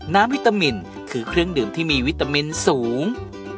วิตามินคือเครื่องดื่มที่มีวิตามินสูง